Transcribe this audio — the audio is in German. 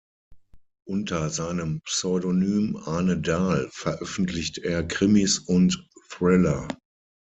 Unter seinem Pseudonym Arne Dahl veröffentlicht er Krimis und Thriller.